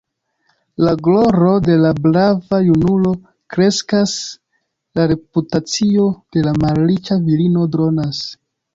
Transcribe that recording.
La gloro de la brava junulo kreskas; la reputacio de la malriĉa virino dronas.